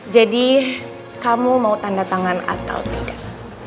jadi kamu mau tanda tangan atau tidak